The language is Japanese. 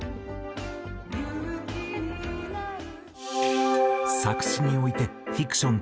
「勇気になる」